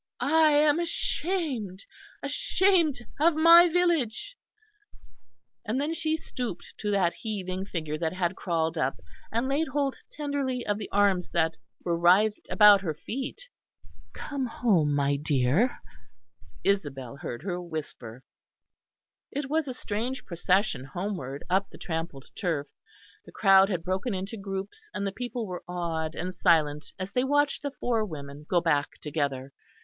"I am ashamed, ashamed of my village." And then she stooped to that heaving figure that had crawled up, and laid hold tenderly of the arms that were writhed about her feet. "Come home, my dear," Isabel heard her whisper. It was a strange procession homeward up the trampled turf. The crowd had broken into groups, and the people were awed and silent as they watched the four women go back together.